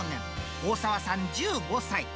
大澤さん１５歳。